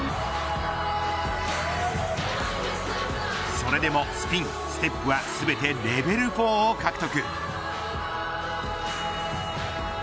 それでもスピン、ステップは全てレベル４を獲得。